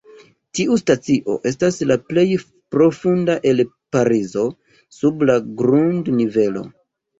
Tiu stacio estas la plej profunda el Parizo: sub la grund-nivelo.